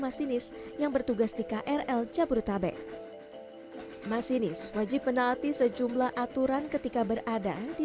masinis yang bertugas di krl jabodetabek masinis wajib menaati sejumlah aturan ketika berada di